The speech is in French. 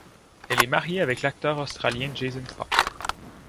Elle est mariée avec l'acteur australien Jason Clarke.